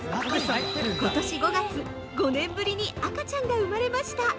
ことし５月、５年ぶりに赤ちゃんが生まれました！